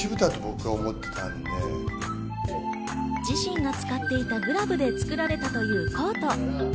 自身が使っていたグラブで作られたというコート。